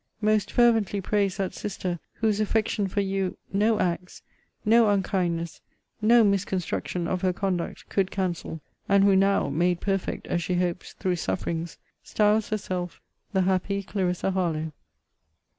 most fervently prays that sister, whose affection for you, no acts, no unkindness, no misconstruction of her conduct, could cancel! And who NOW, made perfect (as she hopes) through sufferings, styles herself, The happy CLARISSA HARLOWE.